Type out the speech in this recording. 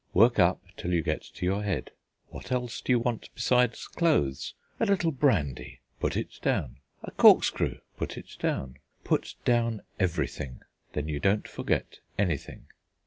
Work up till you get to your head. What else do you want besides clothes? A little brandy; put it down. A corkscrew, put it down. Put down everything, then you don't forget anything."